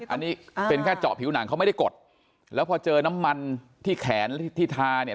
อันนี้เป็นแค่เจาะผิวหนังเขาไม่ได้กดแล้วพอเจอน้ำมันที่แขนที่ทาเนี่ย